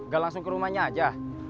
gak langsung ke rumahnya aja